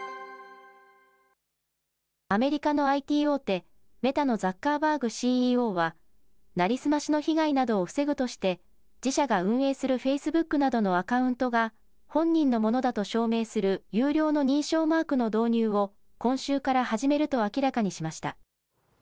アメリカのＩＴ大手、メタのザッカーバーグＣＥＯは、成り済ましの被害などを防ぐとして、自社が運営するフェイスブックなどのアカウントが本人のものだと証明する有料の認証マークの導入を、今週から始めると明らかにしました。